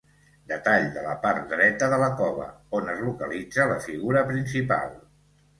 Detall de la part dreta de la Cova, on es localitza la figura principal.